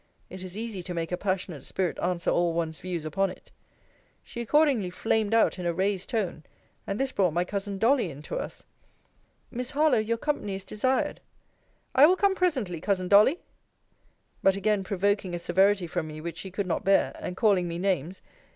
It is easy to make a passionate spirit answer all one's views upon it. She accordingly flamed out in a raised tone: and this brought my cousin Dolly in to us. Miss Harlowe, your company is desired. I will come presently, cousin Dolly. But again provoking a severity from me which she could not bear, and calling me names!